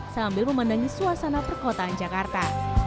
sambil memandangi suasana perkotaan jakarta